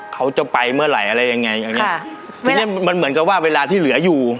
เขาจะไปเมื่อไหร่อะไรอย่างเงี้ยค่ะมันเหมือนกับว่าเวลาที่เหลืออยู่